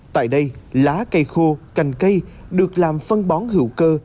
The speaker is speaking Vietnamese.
tại đây lá cây khô cành cây được làm phân bón hữu cơ